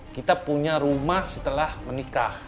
kita punya rumah setelah menikah